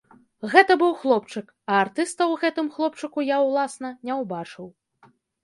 Гэта быў хлопчык, а артыста ў гэтым хлопчыку я, уласна, не ўбачыў.